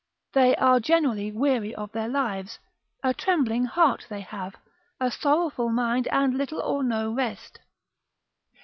They are generally weary of their lives, a trembling heart they have, a sorrowful mind, and little or no rest.